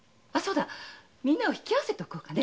みんなを引き合わせておこうかね。